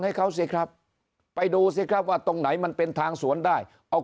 ให้เขาสิครับไปดูสิครับว่าตรงไหนมันเป็นทางสวนได้เอา